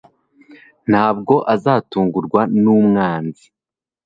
Nta bwo azatungurwa n’umwanzi